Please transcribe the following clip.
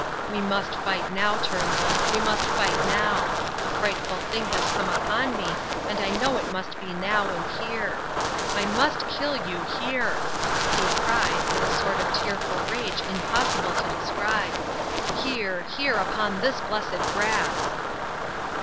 "We must fight now, Turnbull. We must fight now. A frightful thing has come upon me, and I know it must be now and here. I must kill you here," he cried, with a sort of tearful rage impossible to describe. "Here, here, upon this blessed grass."